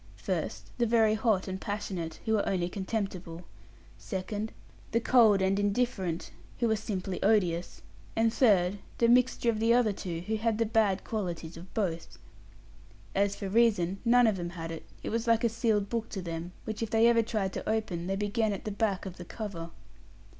First, the very hot and passionate, who were only contemptible; second, the cold and indifferent, who were simply odious; and third, the mixture of the other two, who had the bad qualities of both. As for reason, none of them had it; it was like a sealed book to them, which if they ever tried to open, they began at the back of the cover.